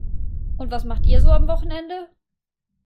Und was macht ihr so am Wochenende?